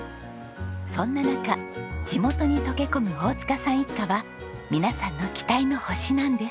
そんな中地元に溶け込む大塚さん一家は皆さんの期待の星なんです。